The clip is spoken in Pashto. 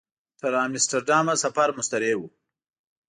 تر امسټرډامه سفر مستریح و.